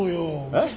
えっ？